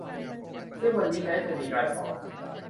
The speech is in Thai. ซึ่งวันนี้แม้จะมีการสอน